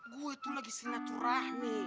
gue itu lagi silaturahmi